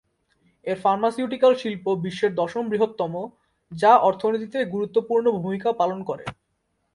এর ফার্মাসিউটিক্যাল শিল্প বিশ্বের দশম বৃহত্তম, যা অর্থনীতিতে গুরুত্বপূর্ণ ভূমিকা পালন করে।